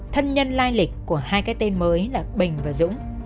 thân nhân lai lịch của hai cái tên mới là bình và dũng